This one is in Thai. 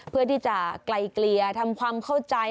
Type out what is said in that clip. เพื่อที่จะไกลเกลี่ยทำความเข้าใจ